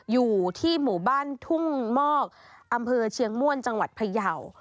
อยู่ที่หมู่บ้านทุ่งมอกอำเภอเชียงม่วนจังหวัดพยาว